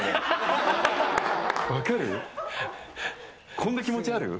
こんな気持ち、ある？